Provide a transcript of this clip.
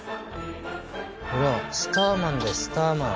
ほらスターマンだスターマン。